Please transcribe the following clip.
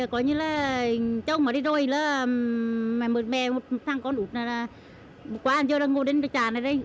có như là trông ở đây rồi là mệt mệt một tháng có đủ là quán cho nó ngồi đến trà này đây